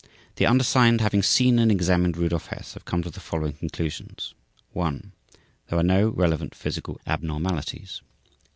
The undersigned, having seen and examined Rudolf Hess, have come to the following conclusions: 1. There are no relevant physical abnormalities.